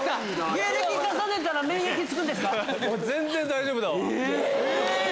芸歴重ねたら免疫つくんですか？